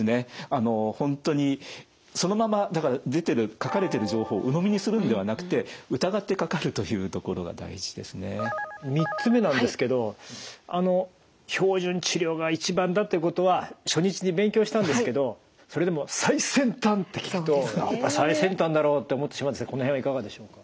あの本当にそのまま出てる書かれてる３つ目なんですけどあの標準治療が一番だってことは初日に勉強したんですけどそれでも最先端って聞くとやっぱり最先端だろって思ってしまうんですがこの辺はいかがでしょうか？